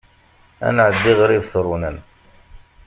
Ad nɛeddi ɣer Ibetṛunen.